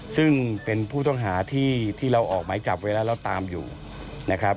ซึ่งเป็นผู้ต้องหาที่เราออกหมายจับไว้แล้วแล้วตามอยู่นะครับ